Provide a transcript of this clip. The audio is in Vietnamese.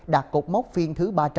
đạt cột mốc phiên thứ ba trăm linh